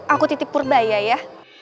aku titip purbaia ya